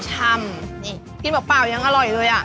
ชำนี่กินเปล่ายังอร่อยเลยอ่ะ